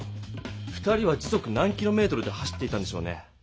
２人は時速何キロメートルで走っていたんでしょうね。